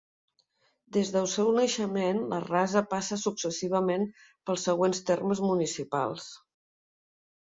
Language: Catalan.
Des del seu naixement, la Rasa passa successivament pels següents termes municipals.